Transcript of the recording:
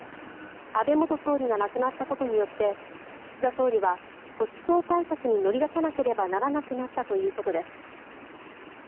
安倍元総理が亡くなったことによって岸田総理は保守層対策に乗り出さなければならなくなったということです。